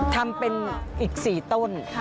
ทำเป็นอีก๔ต้น